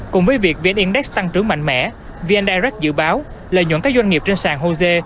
cùng với việc vn index tăng trưởng mạnh mẽ vn direct dự báo lợi nhuận các doanh nghiệp trên sàn hosea